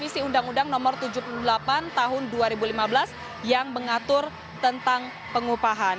revisi undang undang nomor tujuh puluh delapan tahun dua ribu lima belas yang mengatur tentang pengupahan